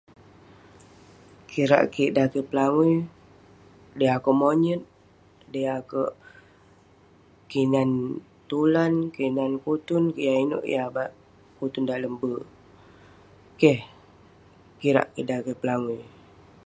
kirak kik dan kik pelangui, dey akouk monyet ,dey akouk kinan tulan, kinan kutun yah inouk yah kutun dalem berk, keh kirak kik dan kik pelangui.